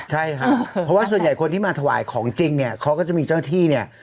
ใช่ครับเพราะว่าส่วนใหญ่คนที่มาถวายของจริงเนี่ยเขาก็จะมีเจ้าที่เนี่ย